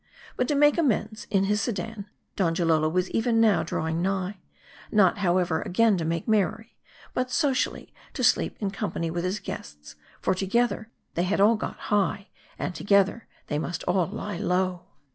But to make amends, in his sedan, Donjalolo was even now draw ing nigh. Not, however, again to make merry ; but socially to sleep in company with his guests ; for, together they had all got high, and together they must all lie low.